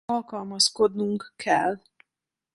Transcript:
Alkalmazkodnunk kell.